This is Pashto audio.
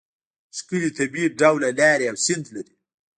ښکلې طبیعي ډوله لارې او سیند لري.